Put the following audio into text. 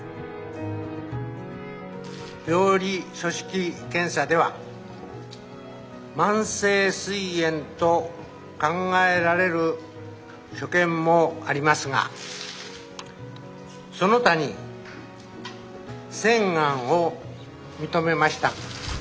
病理組織検査では慢性すい炎と考えられる所見もありますがその他に腺ガンを認めました。